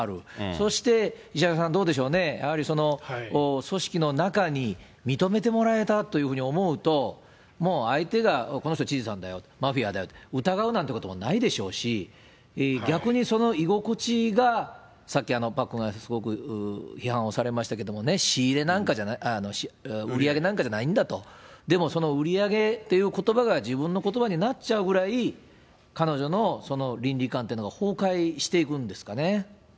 そして石原さん、どうでしょうね、やはりその組織の中に認めてもらえたと思うと、もう相手がこの人知事さんだよ、マフィアだよ、疑うなんてことはないでしょうし、逆にその居心地が、さっきパックンがすごく批判をされましたけど、売り上げなんかじゃないんだと、でもその売り上げということばが自分のことばになっちゃうくらい、彼女のその倫理観というのが崩壊していくんですかね。